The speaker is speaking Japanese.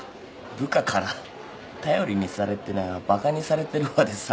部下から頼りにされてないわバカにされてるわでさ